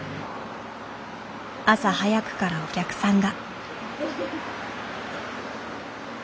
朝早くからお客さんが。